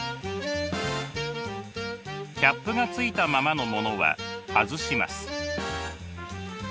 キャップがついたままのものは外します。